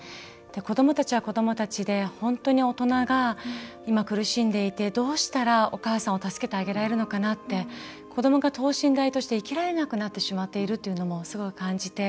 子どもたちは子どもたちで本当に大人が今苦しんでいてどうしたらお母さんを助けられるのかなって子どもが等身大として生きられなくなってしまっているというのも、すごく感じて。